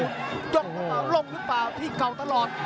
ยกตะเบาลงหรือเปล่าพี่เกาตลอด